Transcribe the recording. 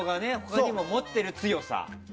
他にも持ってる強さ。